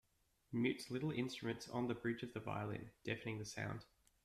Mutes little instruments on the bridge of the violin, deadening the sound.